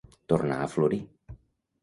Tornar a florir.